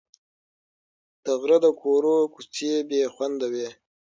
د غره د کورو کوڅې بې خونده وې.